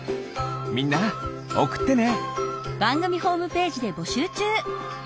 みんなおくってね！